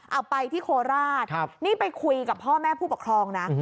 เอาไปที่โคราชนี่ไปคุยกับพ่อแม่ผู้ปกครองนะ